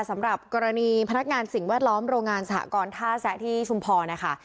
สำหรับกรณีพนักงานสิ่งแวดล้อมโรงงานสหกรท่าแซะที่ชุมพรนะคะ